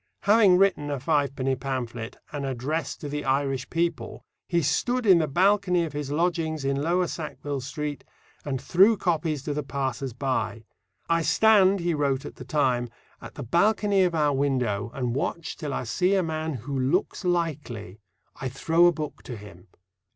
Having written a fivepenny pamphlet, An Address to the Irish People, he stood in the balcony of his lodgings in Lower Sackville Street, and threw copies to the passers by. "I stand," he wrote at the time, "at the balcony of our window, and watch till I see a man who looks likely; I throw a book to him."